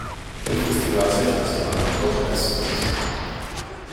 El festival se ha cancelado en dos ocasiones.